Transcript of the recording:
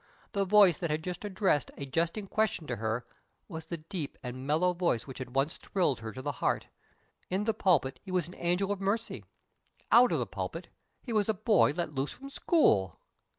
The voice that had just addressed a jesting question to her was the deep and mellow voice which had once thrilled her to the heart. In the pulpit he was an angel of mercy; out of the pulpit he was a boy let loose from school.